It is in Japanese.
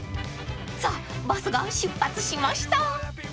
［さあバスが出発しました］